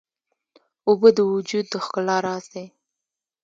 اوبه د وجود د ښکلا راز دي.